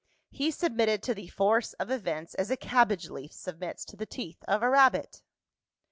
He submitted to the force of events as a cabbage leaf submits to the teeth of a rabbit.